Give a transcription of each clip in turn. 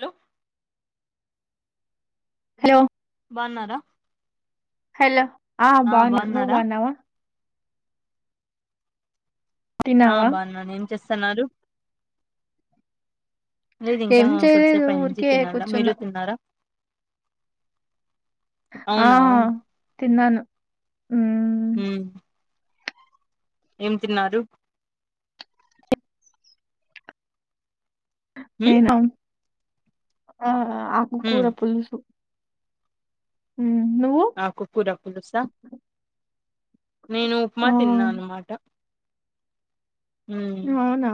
Hello hello బాగున్నారా hello ఆ బాగున్న నువ్ బోనవా ఆ తిన్నావా బోన్నాను ఏం చేస్తున్నారు లేదు ఇంకా ఏం చేయలేదు కొద్దిసేపు ఐ నుంచి ఊరికే తినాలా మీరు కూర్చున్నా తిన్నారా ఆ అవునా తిన్నాను ఉమ్ ఏం తిన్నారు ఉమ్ నేనా ఆ ఆకుకూర ఉమ్ పులుసు మ్మ్ నువ్వు ఆకుకూర పులుసా నేను ఉప్మా ఆ తిన్నా అన్నమాట అవునా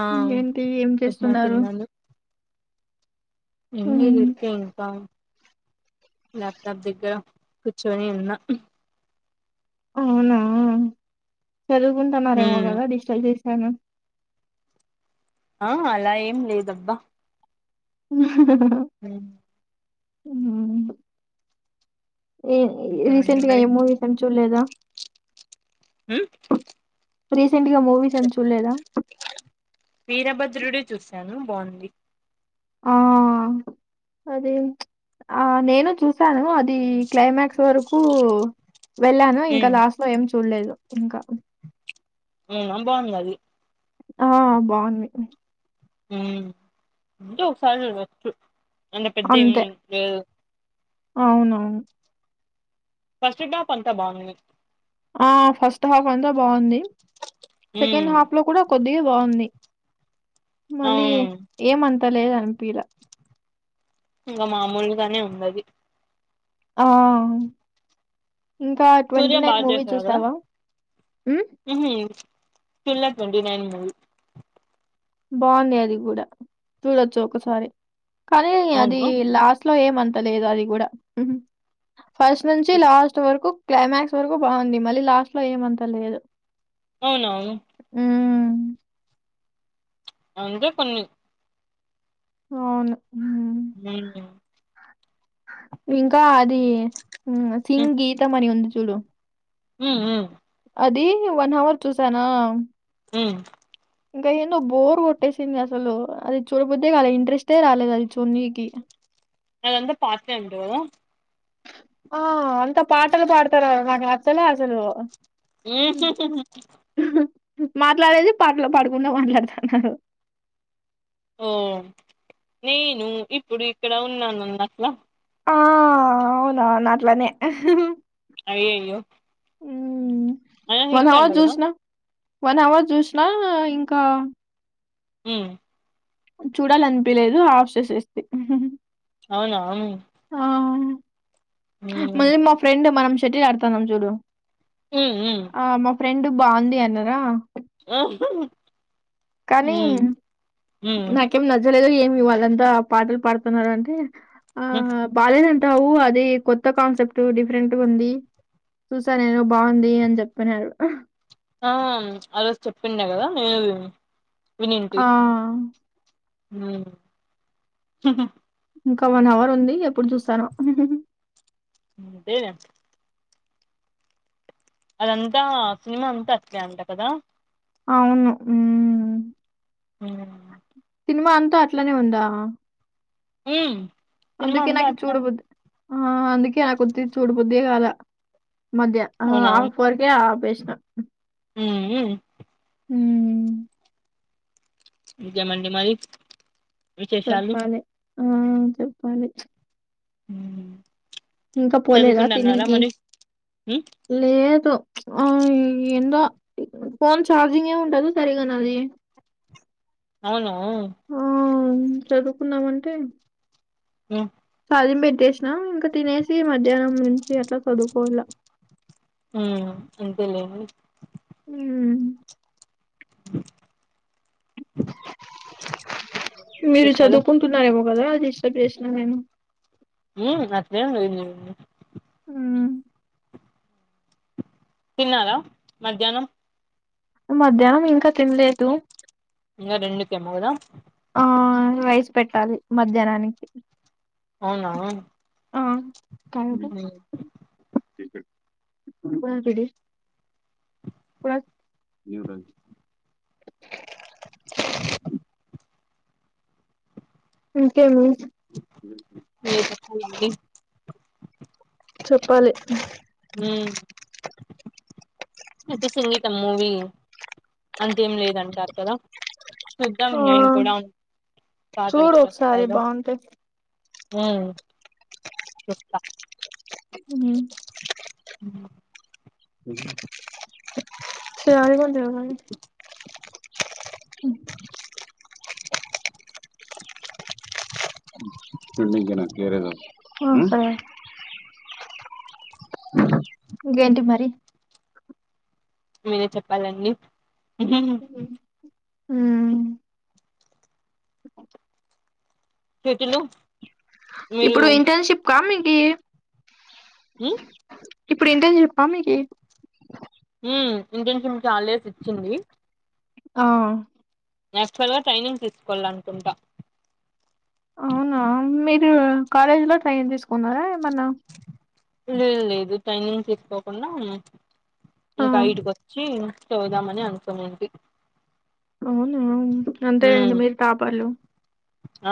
ఆ ఇంకేంటి ఏం ఉప్మా చేస్తున్నారు తిన్నాను ఏం లేదు మ్మ్ ఊరికే ఇంకా ల్యాప్టాప్ దగ్గర కూర్చుని ఉన్నా అవునా చదువుకుంటున్నారేమో ఉమ్ కదా డిస్టర్బ్ చేశాను ఆ అలా ఏం లేదబ్బా మ్మ్ ఉమ్మ్ ఏ ఇంకేమండి రీసెంట్గా మరి ఏ మూవీస్ ఏం చులేదా ఉమ్మ్ రీసెంట్గా మూవీస్ ఏం చూలేదా వీరభద్రుడు చూశాను బాగుంది ఆ అదే ఆ నేను చూసాను అది క్లైమాక్స్ వరకు వెళ్ళాను ఇంకా ఉమ్ లాస్ట్లో ఏం చూలేదు ఇంకా ఉమ్మ్ బాగుంది అది ఆ బాగుంది ఉమ్మ్ అంతే ఒకసారి చూడొచ్చు అంత పెద్ద ఏం అంతే. లేదు అవునవును ఫస్ట్ టప్ అంతా బాగుంది ఆ ఫస్ట్ హాఫ్ అంతా బాగుంది సెకండ్ ఉమ్ హాఫ్లో కూడా కొ ద్దిగా బాగుంది మళ్ళీ అవును ఏమంత లేదునిపిలా ఇంకా మామూలుగానే ఉందది ఆ ఇంకా ట్వంటీ సూర్య నైన్ మూవీ చూశావా ఉహ్మ్ చూడ్లే ట్వంటీ నైన్ మూవీ బాగుంది అది కూడా చూడొచ్చు ఒకసారి కానీ అది అవును లాస్ట్ లో ఏమంత లేదు అది కూడా ఫస్ట్ నుంచి లాస్ట్ వరకు క్లైమాక్స్ వరకు బాగుంది మళ్ళీ లాస్ట్లో ఏమంత లేదు అవునావును హ్మ్. అంతే కొన్ని అవును మ్మ్ ఉమ్మ్ ఇంకా అది థింగ్ గీతం అని ఉంది చూడు ఉమ్మ్ ఉమ్మ్ అది వన్ అవర్ చూశానా ఉమ్మ్ ఇంకా ఏందో బోర్ కొట్టేసింది అసలు అది చూడబుద్దే కాల ఇంట్రెస్టే రాలేదు అది చూడ్నీకి అది అంత పాట్లే అంట కదా ఆ అంత పాటలు పాడతారు నాకు నచ్చలే అసలు హ్మ్. ఉహుహ్ మాట్లాడేది పాటలు పాడుకుంటా మాట్లాడుతున్నారు. ఓ నేను ఇప్పుడు ఇక్కడ ఉన్నాను అన్నట్లా. ఆ అవునవును అట్లనే. అయ్యయ్యో హ్మ్. అయినా హిటంటా కదా. వన్ అవర్ చూశినా ఇంకా హ్ చూడాలనిపియలేదు ఆఫ్ చేసేస్తి. అవునా ఆ ఉమ్ మళ్ళీ మా ఫ్రెండ్ మనం షటిల్ ఆడుతాన్నాం చూడు ఉ హ్ ఆ మా ఫ్రెండ్ బావుంది అన్నరా? ఆహ్ హ్ కానీ నాకేం నచ్చలేదు ఏమి వాళ్ళంతా పాటలు పాడుతున్నారు అంటే ఆ బాలేదంటావు అది కొత్త కాన్సెప్ట్ డిఫరెంట్గుంది. చూసా నేను బావుంది అని చెప్పన్నారు. ఆ ఆ రోజు చెప్పిండే కదా నేను వినింటి ఆ ఆ ఇంకా వన్ అవర్ ఉంది ఎప్పుడు చూస్తానో. అంతేగా అదంతా సినిమా అంతా అట్నే అంటా కదా. అవును హ్మ్ హ సినిమా అంతా అట్లనే ఉందా? హ్ అందుకే నాకు చూడబుద్ది ఆ అందుకే నాకొద్ది చూడబుద్దే కాల. మధ్య ఆ అవునా ఆఫ్ వరకే ఆపేశినా. హుహ్ హ్మ్ ఇంకేమండి మరి విశేషాలు? చెప్పాలి ఆ చెప్పాలి. హ్ ఇంకా పోలేదా తినికి? ఉమ్ లేదు ఆ ఎందో ఫోన్ చార్జింగే ఉండదు సరిగా నాది. అవునా చదువుకున్నామంటే [unintelligible] హాలిం పెట్టేశినా ఇంకా తినేసి మధ్యాహ్నం నుం చి అట్లా చదువుకోవలా. అంతేలే హ్ మీరు విశేషాలు చదువుకుంటున్నారేమో కదా డిస్టబ్ చేశినా నేను. ఏం లే [unintelligible] ఉ తిన్నారా మధ్యాహ్నం మధ్యాహ్నం ఇంకా తినలేదు ఇంగా రెండు కేమో కదా ఆ రైస్ పెట్టాలి మధ్యాహ్నానికి అవునా ఆ ఉ బపిడి ఇంకేమీ మీ చెప్పాలండి చెప్పాలి ఉమ్ అయితే సంగీతం మూవీ అంతేం లేదంటారు కదా చూద్దాం నేను ఆ కూడా చూడు ఒకసారి పాటలేట్లొస్తాయో బాగుంటాయి ఉ చూస్త ఉమ్ చారి కొంటను ఆ సరే ఇంకేంటి మరి మీరే చెప్పాలండి ఊ కెటిలు ఇప్పుడు ఇంటర్న్షిప్ కా మీ ఉ ఇప్పుడు ఇంటర్న్షిప్పా మీకు ఉ ఇంటెన్షన్కి హాలిడేస్ ఇచ్చింది ఆ యాక్చువల్గా టైనింగ్ తిసుకోల్లనుకుంటా అవునా మీరు కాలేజ్ లో ట్రైనింగ్ తీసుకున్నారా ఏమన్నా లేదు లేదు ట్రైనింగ్ తీసుకోకుండా ఆ ఇంక ఇటికి వచ్చి చెబుదామని అనుకునింటి అవునా అంతే అండి ఉమ్ మీరు టాపర్లు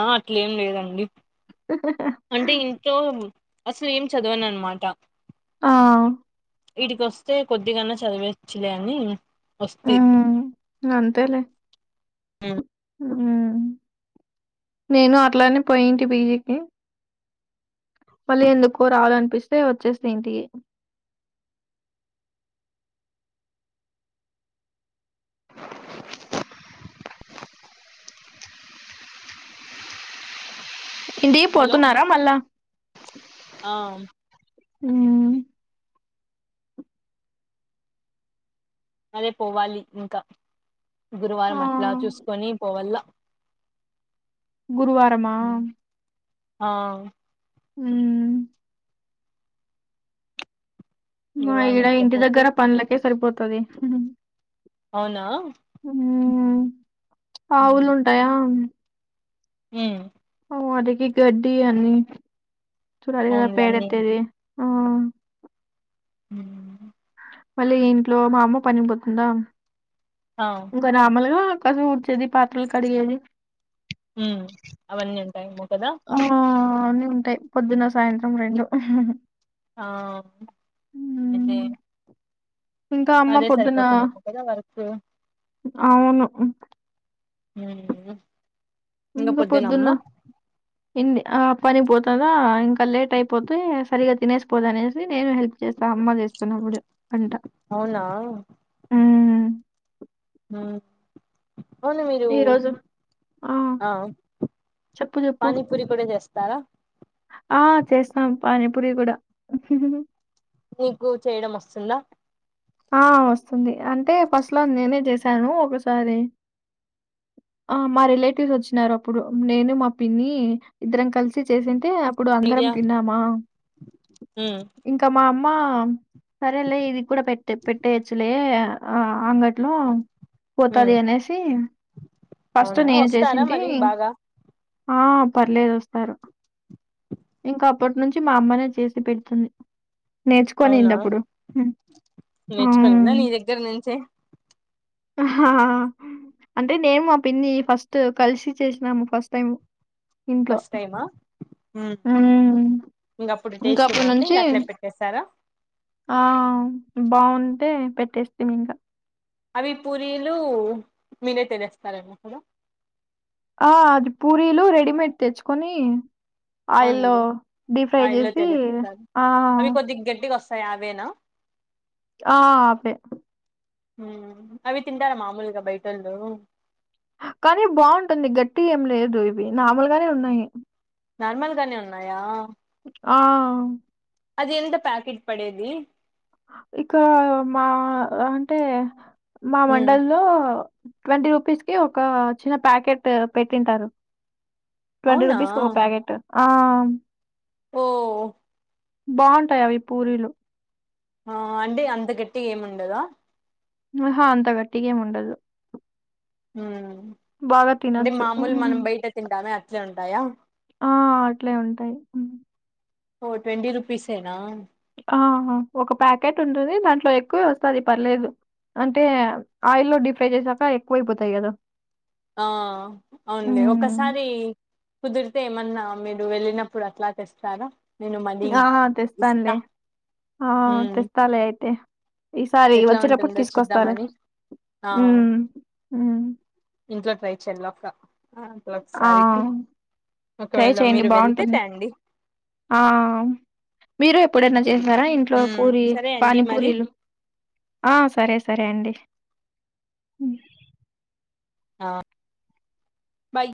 ఆ అట్లేం లేదండి అంటే ఇంట్లో అసలు ఏం చదవననమాట ఆ ఈటికి వస్తే కొద్ది గన్నా చదివెయచ్చలే అని వస్తి మ్మ్ అంతేలే ఉ ఉ నేను అట్లనే పోయింటి పిజీకి మళ్ళీ ఎందుకు రావాలనిపిస్తే వచ్చేస్తి ఇంటికి [inaudible] ఇంటికి హలో పోతున్నారా మళ్ళా ఆ ఊ అదే పోవాలి ఇంకా గురువారం అట్లా ఆ చూసుకొని పోవల్ల గురువారమా ఆ ఉమ్ మా గురువారం ఈడ అట్లా ఇంటి పోతే దగ్గర పనులకే సరిపోతది అవునా ఉమ్ ఆవులు ఉంటయా ఉమ్ వాటికి గడ్డి అన్ని చూడు అవేగా అవునులే అన్నీ పేడెట్టేది ఉ మళ్ళీ ఇంట్లో మా అమ్మ పనిపోతుందా ఆ ఇంకా నార్మల్గా కాసేపు ఊడ్చేది పాత్రలు కడిగేది ఉ అవన్నీ ఉంటాయి ఆ అన్ని ఉంటయి పొద్దున్న సాయంత్రం రెండు ఆ అయితే మ్మ్. ఇంకా అమ్మ అదే పొద్దున సరిపోతుందేమో కదా వర్క్ అవును ఉ ఇంక పొద్దున ఇన్ని ఆ పనైపోతదా ఇంకా లేట్ అయిపోతే సరిగా తినేసిపోదు అనేసి నేను హెల్ప్ చేస్తా అమ్మ చేస్తున్నప్పుడు అంట అవునా ఉ హ అవును మీరు ఈ రోజు ఆ చెప్పు చెప్పు పానీపూరి కూడా చేస్త స్తారా ఆ చేస్తాం పానీపూరి కూడా నీకు చేయడం వస్తుందా ఆ వస్తుంది అంటే ఫస్ట్ లో నేనే చేశాను ఒకసారి ఆ మా రిలేటివ్స్ వచ్చినారు అప్పుడు నేను మా పిన్ని ఇద్దరం కలిసి చేసే అప్పుడు అందరం ఐడియా తిన్నామా ఉమ్ ఇంకా మా అమ్మా సరేలే ఇది కూడా పెట్టే పెట్టేయొచ్చు లే ఆ అంగట్లో ఉమ్ పోతాది అనేసి ఫస్ట్ అవునా నేనే వస్తారా చేసింది మరి బాగా ఆ పర్లేదు వస్తారు ఇంకప్పటి నుంచి మా అమ్మనే చేసి పెడుతుంది నేర్చుకొనిండే అప్పుడు నేర్చుకొనిందా నీ దగ్గర నుంచే హా అంటే నేను మా పిన్ని ఫస్ట్ కలిసి చేసినాము ఫస్ట్ టైం ఫస్ట్ టైమా హ్మ్. ఇంక అప్పుడు ఇంకా టేస్ట్ అప్పటి బాగుంటే ఇంక నుంచి అట్లే పెట్టేసారా ఆ బాగుంటే పెట్టేస్తిమి ఇంకా అవి పూరీలు మీరే తినేస్తారండక్కడ ఆ అది పూరీలు రెడీమేడ్ తెచ్చుకొని ఆయిల్లో అవునండి డీ ఫ్రై ఆయిల్లో చేసి తెలేస్తారు ఆ అవి కొద్దిగా గట్టిగా అవేనా ఆ అవే అవి తింటారా మామూలుగా బయటోళ్ళు కానీ బాగుంటుంది గట్టిగ ఏం లేదు ఇవి నార్మల్గానే ఉన్నయి నార్మల్ గానే ఉన్నాయా ఆ అది ఎంత ప్యాకిట్ పడేది ఇక మా అంటే మా మండల్లో ట్వంటీ రూపీస్ కి ఒక చిన్న ప్యాకెటు పెట్టింటారు. ట్వంటీ అవునా రూపీస్కి ఒక ప్యాకెటు ఆ ఓ బాగుంటాయి అవి పూరీలు ఆ అంటే అంతకట్టిగా ఏమ్ వుండదా ఆహా అంత గట్టిగేమ్ ఉండదు ఉ బాగా అంటే తినొచ్చు. మామూలు హ్మ్. మనం బయట తింటామే అట్లే ఉంటాయా. ఆ అట్లే ఉంటాయి ఓ ట్వంటీ రుపిసేనా ఆహ ఒక ప్యాకెట్ ఉంటుంది దాంట్లో ఎక్కువే వస్తుంది పర్లేదు. అంటే ఆయిల్లో డిఫ్రై చేసాక ఎక్కువైపోతాయి కదా. ఆ అవునులే ఒకసారి కుదిరితే ఏమన్నా మీరు వెళ్ళినప్పుడు అట్లా తెస్తారా. నేను మనీ ఆహా ఇస్తా తేస్తాలే ఆ ఉమ్ తేస్తాలే అయితే ఈసారి ఎట్లా వచ్చేటప్పుడు ఉంటుందో తీసుకొస్తాలే. చూద్దామని ఆ ఉ ఉ ఇంట్లో ట్రై చెయాలక్క అట్లా ఒక్క ఆ! సారి ట్రై చెయండి బాగుంటుంది ఆ మీరు ఎప్ ఎప్పుడన్నా చేసారా ఇంట్లో ఉమ్ పూరి సరే అండి మరి పానీపూరీలు ఆ సరే సరే అండి. [inaudible] ఆ బై